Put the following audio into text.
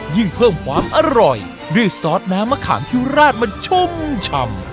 ยิ่งเพิ่มความอร่อยด้วยซอสน้ำมะขามที่ราดมันชุ่มชำ